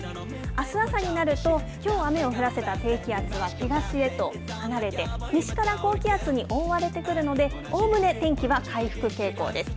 あす朝になると、きょう、雨を降らせた低気圧は東へと離れて、西から高気圧に覆われてくるので、おおむね天気は回復傾向です。